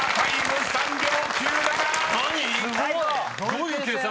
どういう計算？